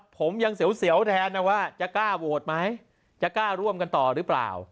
ผมยังเสียวแทนนะว่าจะกล้าโหวตไหมจะกล้าร่วมกันต่อหรือเปล่า